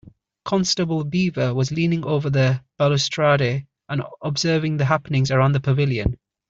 Constable Beaver was leaning over the balustrade and observing the happenings around the pavilion.